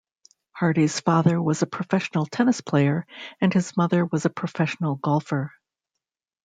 Hardy's father was a professional tennis player, and his mother was a professional golfer.